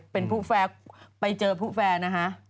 เป็นผู้แฟร์ไปเจอผู้แฟร์นะฮะ